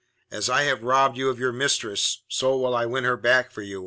As I have robbed you of your mistress, so will I win her back for you.